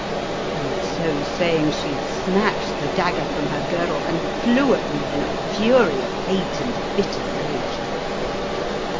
and so saying she snatched the dagger from her girdle and flew at me in a fury of hate and bitter rage.